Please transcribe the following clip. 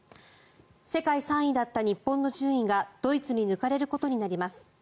世界３位だった日本の順位がドイツに抜かれることになります。